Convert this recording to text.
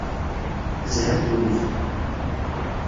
Tezha ddunit.